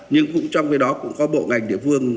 nhưng cũng trong cái đó cũng có bộ ngành địa phương